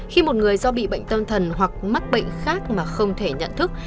khi một người do bị bệnh tâm thần hoặc mắc bệnh khác mà không thể nhận thức